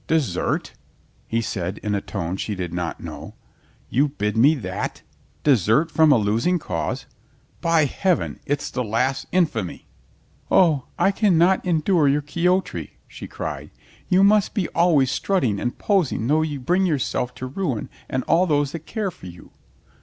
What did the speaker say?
"Desert?" he said in a tone she did not know. "You bid me that? Desert from a losing cause? By Heaven, it's the last infamy." "O, I can not endure your Quixotry," she cried. "You must be always strutting and posing though you bring yourself to ruin and all those that care for you."